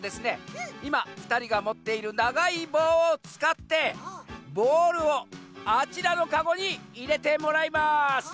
いまふたりがもっているながいぼうをつかってボールをあちらのカゴにいれてもらいます。